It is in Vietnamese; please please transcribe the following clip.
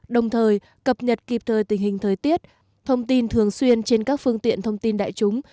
đồng thời cập nhật kịp thời tình hình thời tiết thông tin thường xuyên trên các phương tiện thông tin đại chúng